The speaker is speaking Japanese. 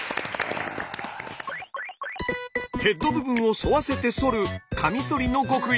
ヘッド部分を沿わせてそるカミソリの極意。